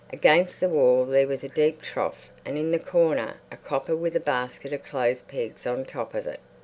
Against the wall there was a deep trough and in the corner a copper with a basket of clothes pegs on top of it.